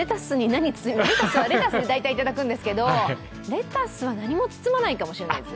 レタスはレタスで大体いただくんですけども、レタスは何も包まないかもしれないです。